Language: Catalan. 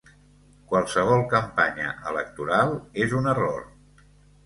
Qualsevol campanya electoral és un error.